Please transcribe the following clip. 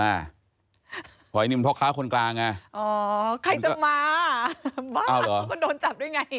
เพราะอันนี้มันเพราะค้าคนกลางไงอ๋อใครจะมาบ้าจากก็โดนจับด้วยไง